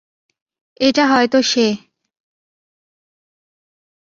এটা হয়তো সে।